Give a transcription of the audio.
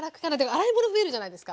洗い物増えるじゃないですか。